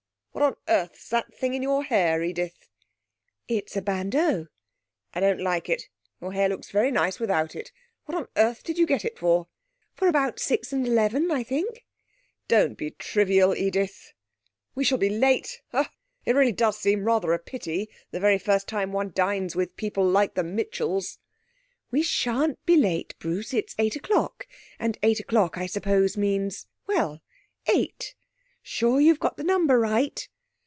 'What on earth's that thing in your hair, Edith?' 'It's a bandeau.' 'I don't like it. Your hair looks very nice without it. What on earth did you get it for?' 'For about six and eleven, I think.' 'Don't be trivial, Edith. We shall be late. Ah! It really does seem rather a pity, the very first time one dines with people like the Mitchells.' 'We sha'n't be late, Bruce. It's eight o'clock, and eight o'clock I suppose means well, eight. Sure you've got the number right?'